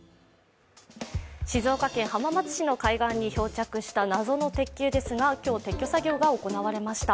静岡県浜松市の海岸に漂着した謎の鉄球ですが、今日、撤去作業が行われました。